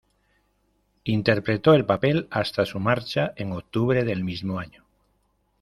Interpretó el papel hasta su marcha en octubre del mismo año.